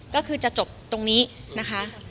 ก็คือจะจบตรงนี้นะคะ